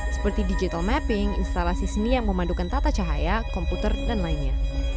seperti digital mapping instalasi seni yang memandukan tata cahaya komputer dan lainnya